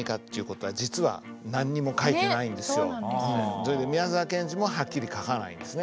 それで宮沢賢治もはっきり書かないんですね。